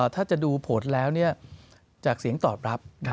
ถ้าจะดูผลแล้วเนี่ยจากเสียงตอบรับนะครับ